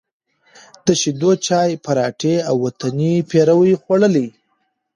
د شېدو چای، پراټې او وطني پېروی خوړلی،